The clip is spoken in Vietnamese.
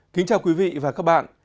kính chào quý vị và các bạn